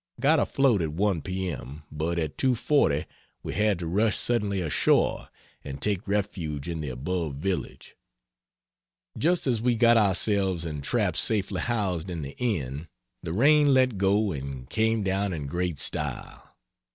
Got afloat at 1 p. m. but at 2.40 we had to rush suddenly ashore and take refuge in the above village. Just as we got ourselves and traps safely housed in the inn, the rain let go and came down in great style.